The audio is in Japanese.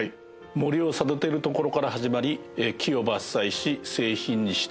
森を育てるところから始まり木を伐採し製品にして建築で使う。